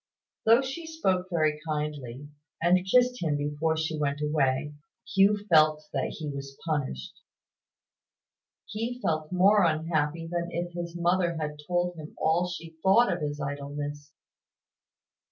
Though she spoke very kindly, and kissed him before she went away, Hugh felt that he was punished. He felt more unhappy than if his mother had told him all she thought of his idleness.